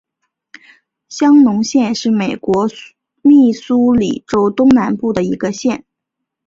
香农县是美国密苏里州东南部的一个县。